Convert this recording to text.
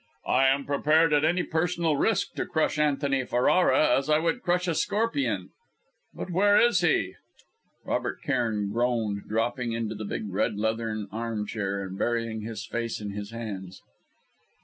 "I am prepared at any personal risk to crush Antony Ferrara as I would crush a scorpion; but where is he?" Robert Cairn groaned, dropping into the big red leathern armchair, and burying his face in his hands.